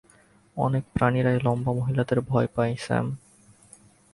অনেক প্রাণীরাই লম্বা মহিলাদের ভয় পায়, স্যাম।